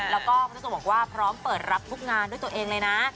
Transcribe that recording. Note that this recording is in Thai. แล้วก็มันจะบอกว่าพร้อมเปิดรับพลุกงานด้วยตัวเองเลยนะ